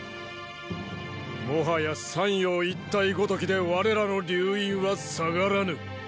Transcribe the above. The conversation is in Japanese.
もはや山陽一帯ごときで我らの溜飲は下がらぬ！